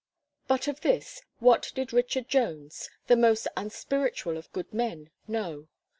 But of this, what did Richard Jones the most unspiritual of good men, know?